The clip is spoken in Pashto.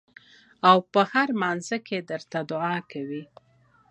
او پۀ هر مانځه کښې درته دعا کوي ـ